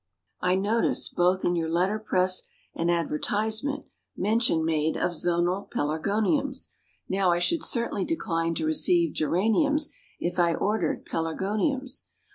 I notice, both in your letter press and advertisement, mention made of Zonal Pelargoniums; now I should certainly decline to receive Geraniums if I ordered Pelargoniums.